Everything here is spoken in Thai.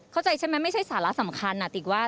เข้าใจใช่ไหมไม่ใช่สาระสำคัญติ๊กว่า